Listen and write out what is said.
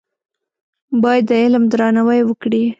باید د علم درناوی وکړې.